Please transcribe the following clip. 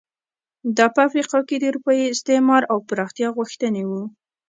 دا په افریقا کې د اروپایي استعمار او پراختیا غوښتنې وو.